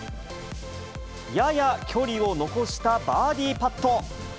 やや距離を残したバーディーパット。